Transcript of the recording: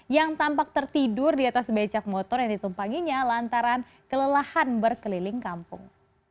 yang tampak tertidur di atas becak motor yang ditumpanginya lantaran kelelahan berkeliling kampung